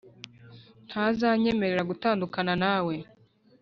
ntazanyemerera gutandukana nawe,